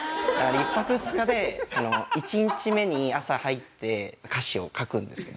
１泊２日で１日目に朝入って歌詞を書くんですよ。